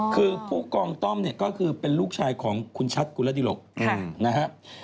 คือผู้กองต้อมเนี่ยก็คือเป็นลูกชายของคุณชัดกุลดิหลกนะครับ